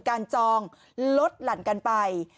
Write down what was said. จองลดหลั่นกันไป